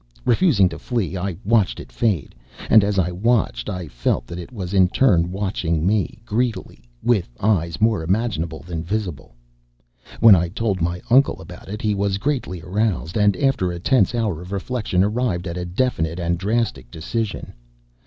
Refusing to flee, I watched it fade and as I watched I felt that it was in turn watching me greedily with eyes more imaginable than visible. When I told my uncle about it he was greatly aroused; and after a tense hour of reflection, arrived at a definite and drastic decision.